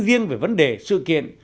riêng về vấn đề sự kiện